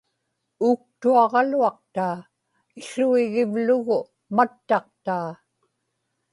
uuktuaġaluaqtaa, iłuigivlugu mattaqtaa